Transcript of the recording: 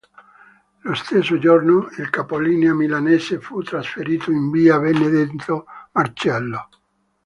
Lo stesso giorno il capolinea milanese fu trasferito in via Benedetto Marcello.